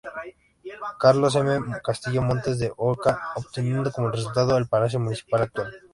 Carlos M. Castillo Montes de Oca, obteniendo como resultado el palacio municipal actual.